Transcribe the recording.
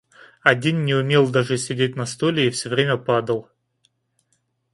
Один не умел даже сидеть на стуле и все время падал.